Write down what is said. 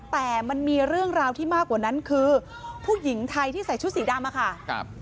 แต่มันมีเรื่องราวที่มากกว่านั้นคือผู้หญิงไทยที่ใส่ชุดสีดำอะค่ะ